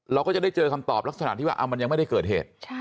เราก็จะได้เจอคำตอบลักษณะที่ว่ามันยังไม่ได้เกิดเหตุ